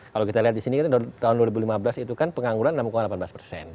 kalau kita lihat di sini kan tahun dua ribu lima belas itu kan pengangguran enam delapan belas persen